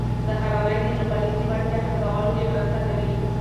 سهارنۍ د ژبنیزې وړتیا ښه کولو کې مرسته کوي.